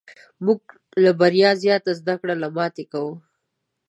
موږ له بریا زیاته زده کړه له ماتې کوو.